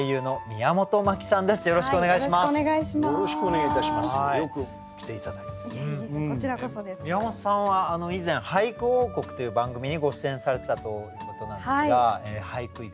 宮本さんは以前「俳句王国」という番組にご出演されてたということなんですが俳句いかがですか？